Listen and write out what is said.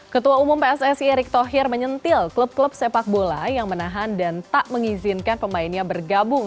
ketua umum pssi erick thohir menyentil klub klub sepak bola yang menahan dan tak mengizinkan pemainnya bergabung